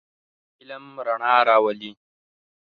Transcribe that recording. علم رڼا راولئ.